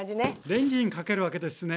レンジにかけるわけですね。